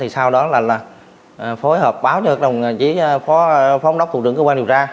sau đó phối hợp báo cho phóng đốc thủ tướng cơ quan điều tra